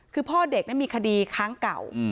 คือพ่อเด็กมีคดีค้างเก่า